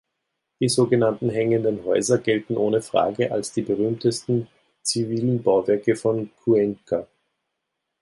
Die sogenannten „hängende Häuser“ gelten ohne Frage als die berühmtesten zivilen Bauwerke von Cuenca.